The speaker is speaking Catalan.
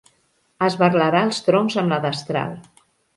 Esberlarà els troncs amb la destral.